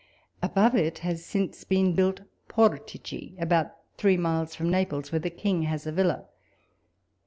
Above it has since been built Portici, about three miles from Naples, where the King has a villa.